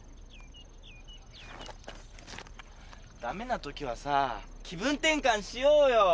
ダメなときはさ気分転換しようよ。